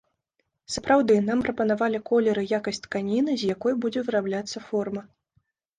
Сапраўды, нам прапанавалі колер і якасць тканіны, з якой будзе вырабляцца форма.